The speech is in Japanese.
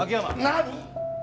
何？